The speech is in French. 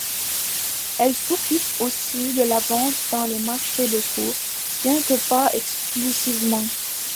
Elles s'occupent aussi de la vente dans les marchés locaux, bien que pas exclusivement.